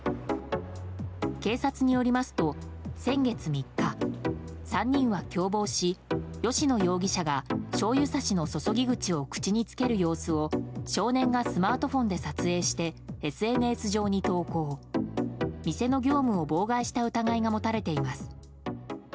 警察によりますと先月３日、３人は共謀し吉野容疑者がしょうゆさしの注ぎ口を口につける様子を少年がスマートフォンで撮影してＳＮＳ上に投稿、店の業務を妨害した疑いが持たれています。